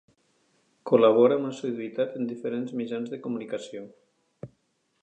Col·labora amb assiduïtat en diferents mitjans de comunicació.